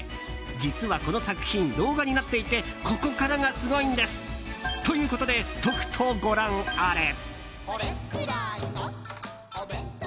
実はこの作品、動画になっていてここからがすごいんです。ということで、とくとご覧あれ！